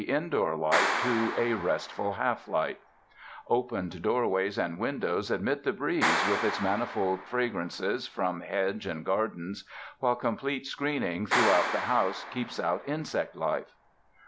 238 RESIDENCE IN THE LAND OF SUNSHINE doorways and windows admit the breeze witli its manifold fragrances from Lodge and garden, wliile complete screening throughout the house keeps out insect life.